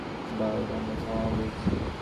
বাল কান্নাকাটি থামাও বলছি।